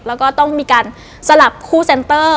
แล้วก็ต้องมีการสลับคู่เซ็นเตอร์